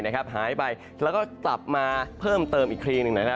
และก็กลับมาเพิ่มเติมอีกคลีนึง